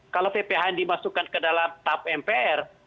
kalau pphn dimasukkan ke dalam tap mpr